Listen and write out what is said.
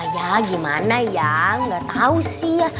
ya gimana ya gak tau sih ya